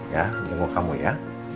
ya jemput kamu ya